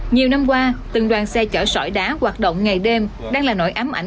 nhiều năm qua từng đoàn xe chở sỏi đá hoạt động ngày đêm đang là nỗi ám ảnh